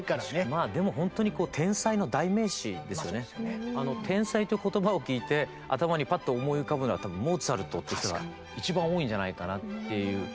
まあでもほんとに「天才」って言葉を聞いて頭にパッと思い浮かぶのはモーツァルトって人が一番多いんじゃないかなっていう。